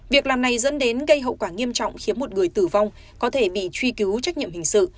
việc làm này dẫn đến gây hậu quả nghiêm trọng khiến một người tử vong có thể bị truy cứu trách nhiệm hình sự